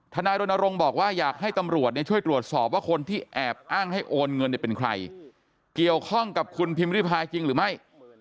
นายรณรงค์บอกว่าอยากให้ตำรวจช่วยตรวจสอบว่าคนที่แอบอ้างให้โอนเงินเป็นใครเกี่ยวข้องกับคุณพิมพิริพายจริงหรือไม่